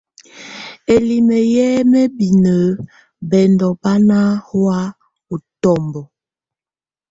Ǝ́limǝ́ yɛ́ mǝ́binǝ́ bɛndɔ́ bá ná hɔ̀á útɔ́mbɔ.